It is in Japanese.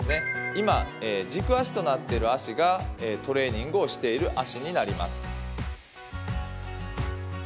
今、軸足となっている足がトレーニングをしている足になります。